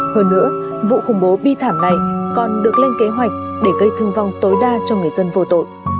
hơn nữa vụ khủng bố bi thảm này còn được lên kế hoạch để gây thương vong tối đa cho người dân vô tội